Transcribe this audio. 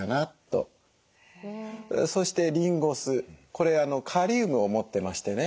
そしてリンゴ酢これカリウムを持ってましてね。